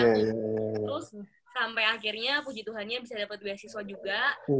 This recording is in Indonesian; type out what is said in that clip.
terus sampai akhirnya puji tuhannya bisa dapat beasiswa juga